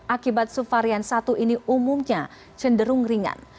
akibat suvarian satu ini umumnya cenderung ringan